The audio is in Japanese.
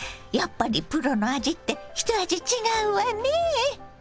やっぱりプロの味って一味違うわね。